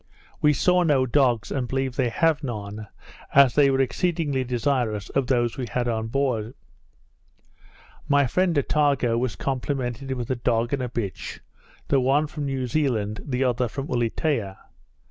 We saw no dogs, and believe they have none, as they were exceedingly desirous of those we had on board. My friend Attago was complimented with a dog and a bitch, the one from New Zealand, the other from Ulietea.